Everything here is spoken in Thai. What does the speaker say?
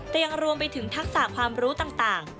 แต่ยังรวมไปถึงทักษะความรู้ต่าง